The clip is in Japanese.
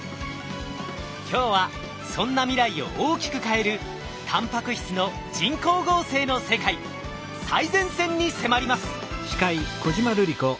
今日はそんな未来を大きく変えるタンパク質の人工合成の世界最前線に迫ります！